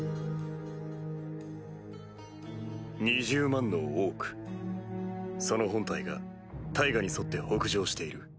２０万のオークその本体が大河に沿って北上している。